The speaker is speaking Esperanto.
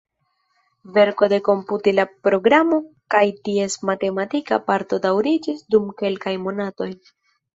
Verko de komputila programo kaj ties matematika parto daŭriĝis dum kelkaj monatoj.